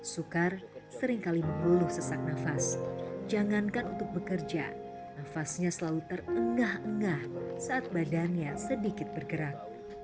sukar seringkali mengeluh sesak nafas jangankan untuk bekerja nafasnya selalu terengah engah saat badannya sedikit bergerak